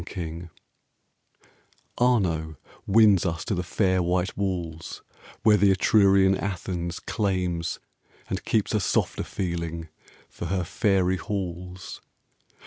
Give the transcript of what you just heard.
FLORENCE Arno wins us to the fair white walls, Where the Etrurian Athens claims and keeps A softer feeling for her fairy halls.